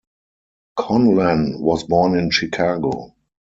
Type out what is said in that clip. Conlan was born in Chicago.